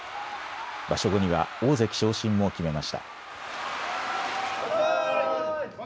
場所後には大関昇進も決めました。